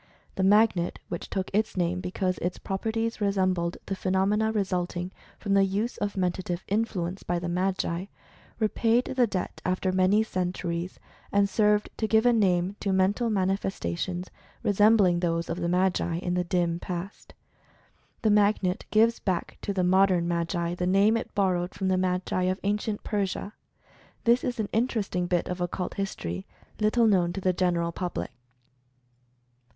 The Magnet, which took its name because its properties resembled the phenomena resulting from the use of Mentative Influence by the Magi, repaid the debt after many centuries, and served to give a name to mental manifestations resembling those of the Magi in the dim past. The Magnet gives back to the modern Magi the name it borrowed from the Magi of Ancient Persia. This is an interesting bit of Occult History little known to the general public.